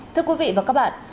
thưa quý vị và các bạn